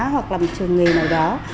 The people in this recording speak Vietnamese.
hoặc là một trường nghề nào đó